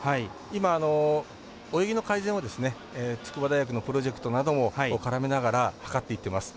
今、泳ぎの改善を筑波大学のプロジェクトなども絡めながら、はかっていってます。